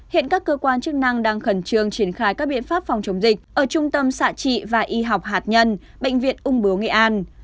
hiện các cơ quan chức năng đang khẩn trương triển khai các biện pháp phòng chống dịch ở trung tâm xã trị và y học hạt nhân bệnh viện úng biếu nghị an